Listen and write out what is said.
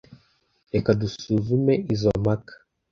Reka dusuzume izoi mpaka.